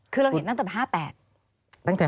คือเราเห็นตั้งแต่๕๘